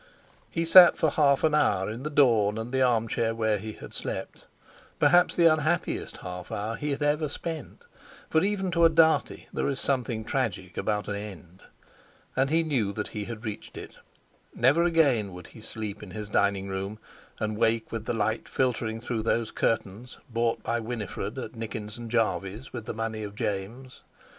He sat for half an hour in the dawn and the armchair where he had slept—perhaps the unhappiest half hour he had ever spent, for even to a Dartie there is something tragic about an end. And he knew that he had reached it. Never again would he sleep in his dining room and wake with the light filtering through those curtains bought by Winifred at Nickens and Jarveys with the money of James.